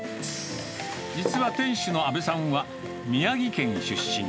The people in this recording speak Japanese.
実は店主の阿部さんは、宮城県出身。